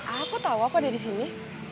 aku tau aku ada disini